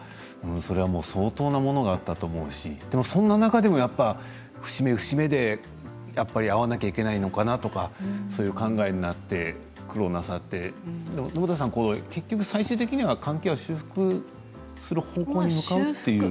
それは、もう相当なものがあったと思うしでもそんな中でもやっぱり節目節目で会わなきゃいけないのかなとかそういう考えになって苦労なさって信田さん、結局、最終的には関係は修復する方向に向かうんですか？